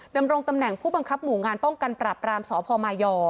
ดำรงตำแหน่งผู้บังคับหมู่งานป้องกันปรับรามสพมาย